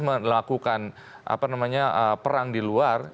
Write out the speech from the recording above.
melakukan perang di luar